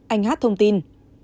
anh h thông tin